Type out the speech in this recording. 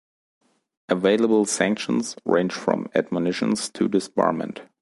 Available sanctions range from admonitions to disbarment.